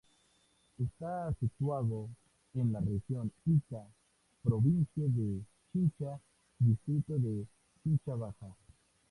Está situado en la Región Ica, provincia de Chincha, Distrito de Chincha Baja.